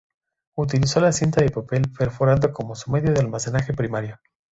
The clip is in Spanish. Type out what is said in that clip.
Utilizó la cinta de papel perforado como su medio de almacenaje primario.